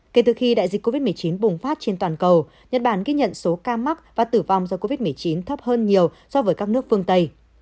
kể từ khi đại dịch covid một mươi chín bùng phát trên toàn cầu nhật bản ghi nhận số ca mắc và tử vong do covid một mươi chín thấp hơn nhiều so với các nước phương tây